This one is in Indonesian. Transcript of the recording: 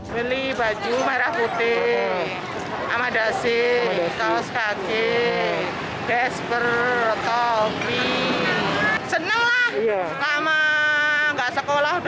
beli baju merah putih amadasi kaos kaki desper topi senenglah lama nggak sekolah